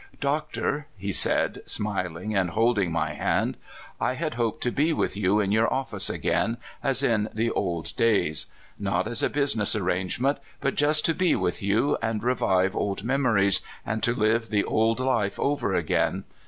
"Doctor/' he said, smiling, and holding my hand ;" I had hoped to be with you in your office again, as in the old days not as a business ar rangement, but just to be with you, and revive old memories, and to live the old life over again.